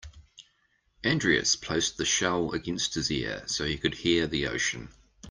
Andreas placed the shell against his ear so he could hear the ocean.